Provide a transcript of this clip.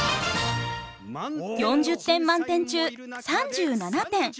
４０点満点中３７点。